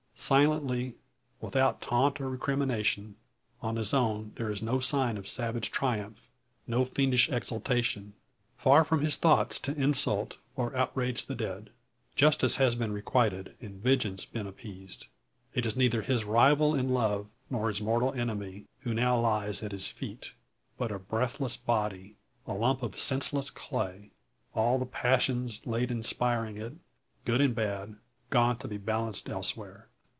Silently, without taunt or recrimination. On his own there is no sign of savage triumph, no fiendish exultation. Far from his thoughts to insult, or outrage the dead. Justice has had requital, and vengeance been appeased. It is neither his rival in love, nor his mortal enemy, who now lies at his feet; but a breathless body, a lump of senseless clay, all the passions late inspiring it, good and bad, gone to be balanced elsewhere.